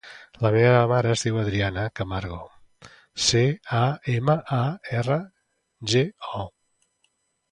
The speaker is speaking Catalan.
La meva mare es diu Adriana Camargo: ce, a, ema, a, erra, ge, o.